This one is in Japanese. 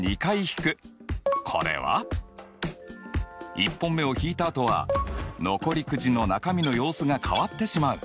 １本目を引いたあとは残りクジの中身の様子が変わってしまう。